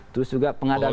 terus juga pengadaan barang